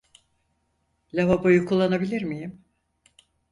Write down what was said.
Lavaboyu kullanabilir miyim?